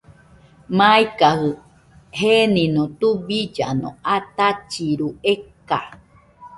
Maikajɨ genino tubillano atachiru eka.